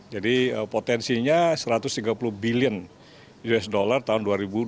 jadi potensinya satu ratus tiga puluh bilion usd tahun dua ribu dua puluh lima dua ribu tiga puluh